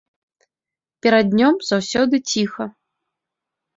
Перад днём заўсёды ціха.